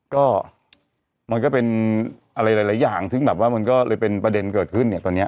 ก็มันก็เป็นอะไรหลายอย่างซึ่งแบบว่ามันก็เลยเป็นประเด็นเกิดขึ้นเนี่ยตอนนี้